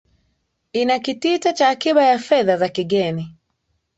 inakitita cha akiba ya fedha za kigeni